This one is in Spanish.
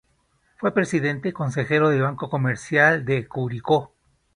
Fue presidente y consejero del Banco Comercial de Curicó.